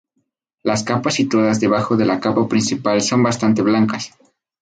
Las capas situadas debajo de la capa principal, son bastante blancas.